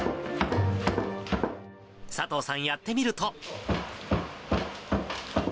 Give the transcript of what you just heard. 佐藤さん、やってみると。